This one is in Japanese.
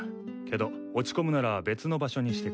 けど落ち込むなら別の場所にしてくれ。